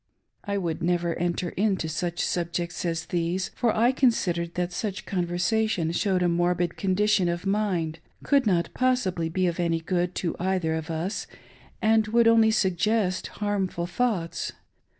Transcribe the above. I would never enter into such subjects as these, for I con sidered that such conversation showed a morbid condition of mind, could not possibly be of any good to either of us, and would only suggest harmful thoughts.